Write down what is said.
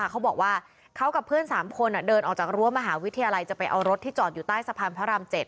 เขาบอกว่าเขากับเพื่อน๓คนเดินออกจากรั้วมหาวิทยาลัยจะไปเอารถที่จอดอยู่ใต้สะพานพระราม๗